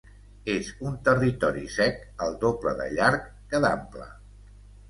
És un territori sec el doble de llarg que d'ample.